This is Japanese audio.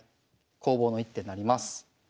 攻防の一手になります。